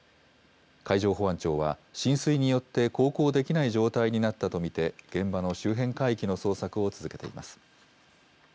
海上保安庁は、浸水によって航行できない状態になったと見て、現場の周辺海域の捜索を続けています。